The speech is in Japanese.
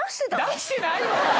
出してないわ！